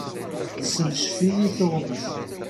Tessencef-iyi tuɣmest.